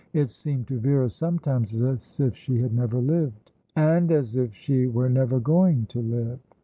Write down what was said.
It seemed to Vera sometimes as if she had never lived, and as if she were never going to live.